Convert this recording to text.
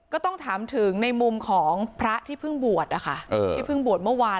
ก็ต้องถามถึงในมุมของพระที่เพิ่งบวชนะคะที่เพิ่งบวชเมื่อวาน